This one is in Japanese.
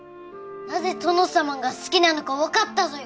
なぜ『とのさまん』が好きなのかわかったぞよ！